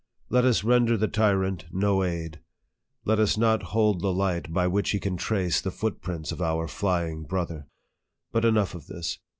Let us render the tyrant no aid ; let us not hold the light by which he can trace the footprints of our flying brother. But enough of this.